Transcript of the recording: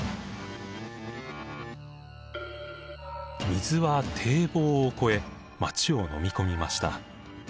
水は堤防を越え町をのみ込みました。